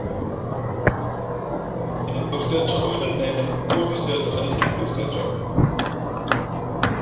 Ndom sīēcάʼ mά nehē póózú sīēcάʼ Ndhí ndom sīēcᾱʼ.